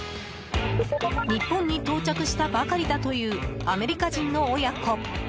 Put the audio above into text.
日本に到着したばかりだというアメリカ人の親子。